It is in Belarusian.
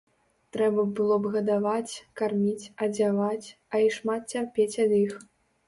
Трэба было б гадаваць, карміць, адзяваць, а і шмат цярпець ад іх.